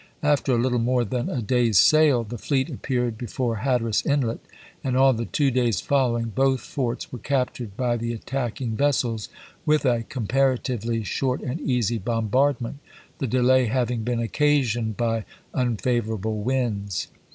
After a little more than a day's sail, the fleet appeared before Hatteras Inlet, and on the two days following both forts were captured by HATTERAS AND PORT ROYAL 13 the attacking vessels, with a comparatively short chap. i. and easy bombardment, the delay having been strmgham, occasioned by unfavorable winds.